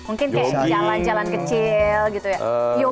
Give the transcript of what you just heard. mungkin kayak jalan jalan kecil gitu ya